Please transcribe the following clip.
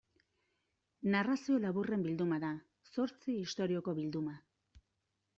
Narrazio laburren bilduma da, zortzi istorioko bilduma.